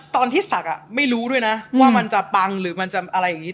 ศักดิ์ไม่รู้ด้วยนะว่ามันจะปังหรือมันจะอะไรอย่างนี้